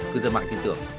cư dân mạng tin tưởng